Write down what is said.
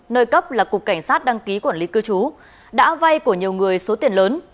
nơi cấp là cục cảnh sát đăng ký quản lý cư trú đã vay của nhiều người số tiền lớn